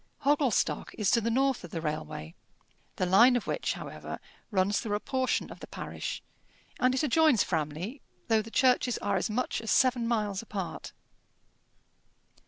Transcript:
Hogglestock is to the north of the railway, the line of which, however, runs through a portion of the parish, and it adjoins Framley, though the churches are as much as seven miles apart.